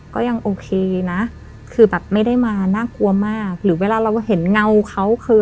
ก็ยังโอเคนะคือแบบไม่ได้มาน่ากลัวมากหรือเวลาเราเห็นเงาเขาคือ